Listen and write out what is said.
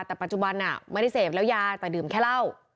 แต่ปัจจุบันไม่ได้เสพแล้วยาแต่ดื่มแค่เหล้า